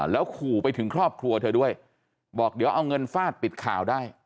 แล้วขู่ไปถึงครอบครัวเธอด้วยบอกเดี๋ยวเอาเงินฟาดปิดข่าวได้